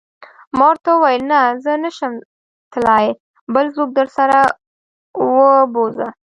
ما ورته وویل: نه، زه نه شم تلای، بل څوک درسره و بوزه.